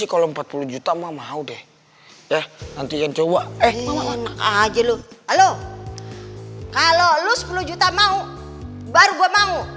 kalau empat puluh juta mau deh ya nanti yang coba eh aja lu halo halo lu sepuluh juta mau baru gue mau